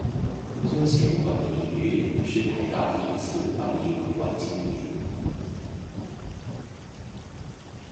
尊贤馆的营运是台大第一次办理委外经营。